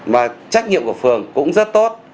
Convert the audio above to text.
mà trách nhiệm của phường cũng rất tốt